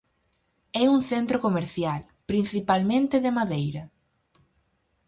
É un centro comercial, principalmente de madeira.